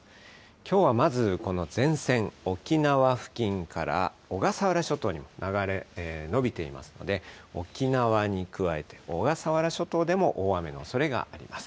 きょうはまず、この前線、沖縄付近から小笠原諸島にも流れ、延びていますので、沖縄に加えて小笠原諸島でも大雨のおそれがあります。